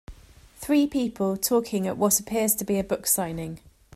Three people talking at what appears to be a book signing